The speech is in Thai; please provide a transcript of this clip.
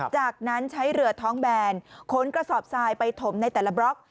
จากนั้นใช้เรือท้องแบนขนกระสอบทรายไปถมในแต่ละบล็อก